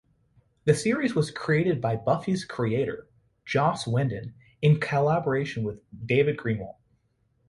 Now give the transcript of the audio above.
The series was created by "Buffy"'s creator Joss Whedon in collaboration with David Greenwalt.